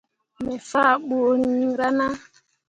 Me fah ɓuriŋ rana.